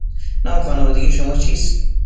نام خانوادگی شما چیست؟